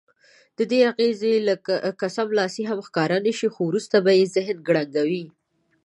ددې اغېز که سملاسي هم ښکاره نه شي خو وروسته به یې ذهن کړنګوي.